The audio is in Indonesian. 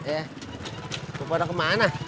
eh lu pada kemana